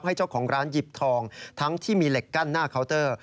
ให้เจ้าของร้านหยิบทองทั้งที่มีเหล็กกั้นหน้าเคาน์เตอร์